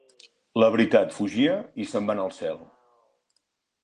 La veritat fugia i se'n va anar al cel.